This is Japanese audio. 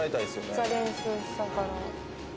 「めっちゃ練習したから」